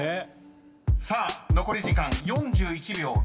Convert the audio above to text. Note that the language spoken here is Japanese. ［さあ残り時間４１秒６７］